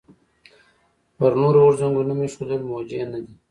پر نورو غورځنګونو نوم ایښودل موجه نه دي.